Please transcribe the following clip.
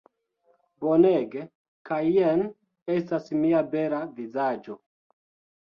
Bonege kaj jen estas mia bela vizaĝo